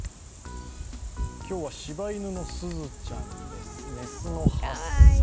今日は柴犬のすずちゃんです、雌の８歳。